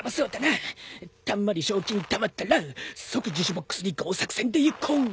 たんまり賞金たまったら即自首ボックスにＧＯ作戦でいこう。